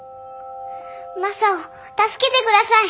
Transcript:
マサを助けて下さい。